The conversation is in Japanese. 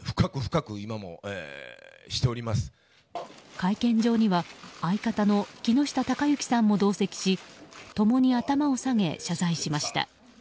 会見場には相方の木下隆行さんも同席し共に頭を下げ、謝罪しました。